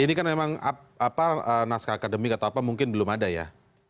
ini kan memang naskah akademik atau apa mungkin belum ada ya